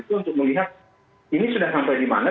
itu untuk melihat ini sudah sampai di mana